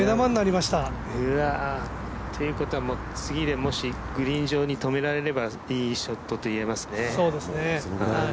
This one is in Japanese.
ということは、次でもしグリーン上に止められればいいショットといえますね。